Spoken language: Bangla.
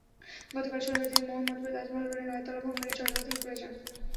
গতকাল শনিবার তিনি মোহাম্মদপুরের তাজমহল রোডের নয়তলা ভবনের ছয়তলা থেকে পড়ে যান।